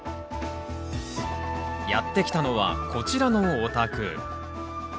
やって来たのはこちらのお宅。